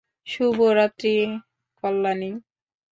শুভ রাত্রি কল্যাণী।